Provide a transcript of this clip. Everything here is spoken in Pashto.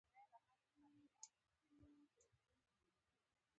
د هېواد مرکز د افغانانو د تفریح یوه وسیله ده.